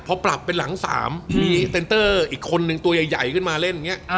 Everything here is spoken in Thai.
พอปรับเป็นหลัง๓มีเซ็นเตอร์อีกคนนึงตัวใหญ่ขึ้นมาเล่นอย่างนี้